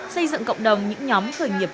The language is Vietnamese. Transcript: xây dựng cộng đồng những nhóm khởi nghiệp